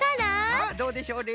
さあどうでしょうね。